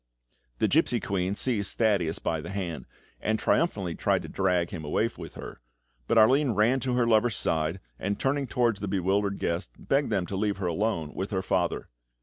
The gipsy queen seized Thaddeus by the hand, and triumphantly tried to drag him away with her; but Arline ran to her lover's side, and turning towards the bewildered guests, begged them to leave her alone with her father.